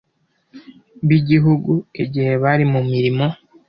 b igihugu igihe bari mu mirimo